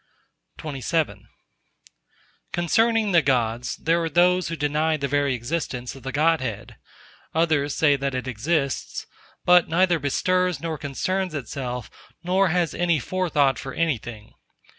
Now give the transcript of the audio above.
XXVIII Concerning the Gods, there are who deny the very existence of the Godhead; others say that it exists, but neither bestirs nor concerns itself nor has forethought for anything.